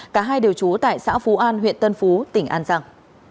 cả hai đều trú tại xã phú an huyện tân phú tỉnh an giang